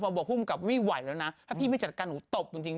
ไปเล่นกับนางเอกอีกคนนึง